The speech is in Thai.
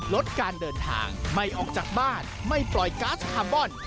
ลดการเดินทางไม่ออกจากบ้านไม่ปล่อยก๊าซคาร์บอน